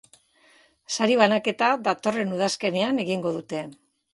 Sari-banaketa datorren udazkenean egingo dute.